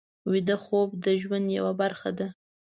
ویده خوب د ژوند یوه برخه ده